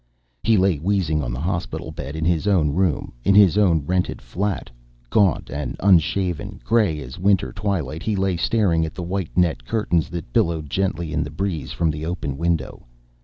He lay wheezing on the hospital bed, in his own room, in his own rented flat. Gaunt and unshaven, gray as winter twilight, he lay staring at the white net curtains that billowed gently in the breeze from the open window.